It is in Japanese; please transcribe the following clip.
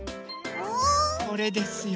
これですよ。